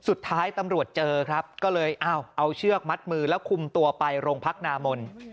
สุดท้ายตำรวจเจอครับก็เลยเอาเชือกมัดมือแล้วคุมตัวไปโรงพักนามน